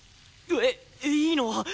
えっいいの？